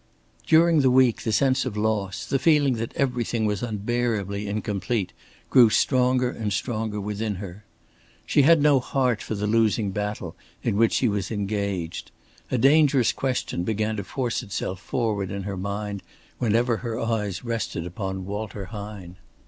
During the week the sense of loss, the feeling that everything was unbearably incomplete, grew stronger and stronger within her. She had no heart for the losing battle in which she was engaged. A dangerous question began to force itself forward in her mind whenever her eyes rested upon Walter Hine.